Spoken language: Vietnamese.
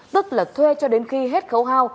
tức là thuê cho đến khi hết khẩu hao